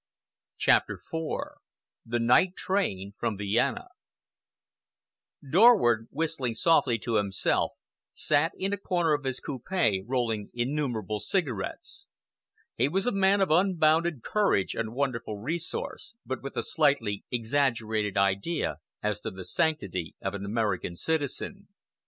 CHAPTER IV THE NIGHT TRAIN FROM VIENNA Dorward, whistling softly to himself, sat in a corner of his coupe rolling innumerable cigarettes. He was a man of unbounded courage and wonderful resource, but with a slightly exaggerated idea as to the sanctity of an American citizen.